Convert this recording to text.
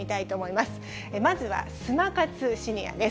まずは、スマ活シニアです。